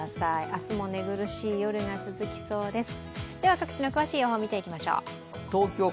明日も寝苦しい夜が続きそうです。